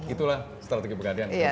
itulah strategi pegadian